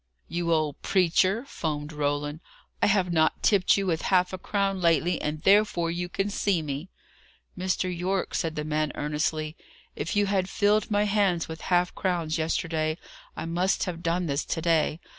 "You old preacher!" foamed Roland. "I have not tipped you with half a crown lately, and therefore you can see me!" "Mr. Yorke," said the man, earnestly, "if you had filled my hands with half crowns yesterday, I must have done this to day.